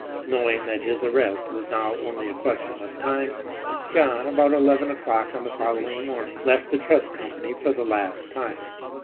Knowing that his arrest was now only a question of time, John, about eleven o'clock on the following morning, left the trust company for the last time.